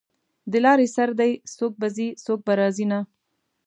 د لارې سر دی څوک به ځي څوک به راځینه